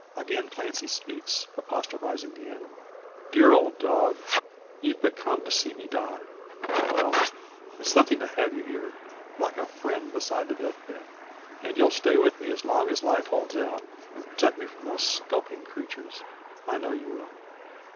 Again Clancy speaks, apostrophising the animal. "Dear old dog! you're but come to see me die. Well; it's something to have you here like a friend beside the death bed. And you'll stay with me long as life holds out, and protect me from those skulking creatures? I know you will.